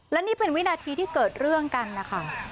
และนี่เป็นวินาทีที่เกิดเรื่องกันนะคะ